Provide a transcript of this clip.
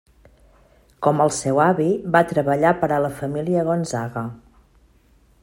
Com el seu avi, va treballar per a la Família Gonzaga.